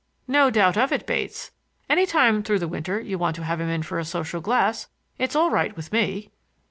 "No doubt of it, Bates. Any time through the winter you want to have him in for a social glass, it's all right with me."